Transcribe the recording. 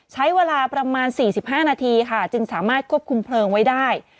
ใช้เวลาประมาณ๔๕นาทีค่ะจึงสามารถควบคุมเพลิงไว้ได้